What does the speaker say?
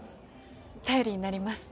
頼りになります。